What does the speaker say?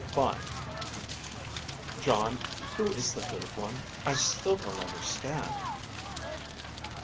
_ Fine. _Jon, who is the third one? I still don't understand.